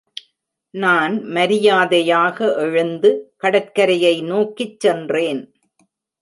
நான் மரியாதையாக எழுந்து கடற்கரையை நோக்கிச் சென்றேன்.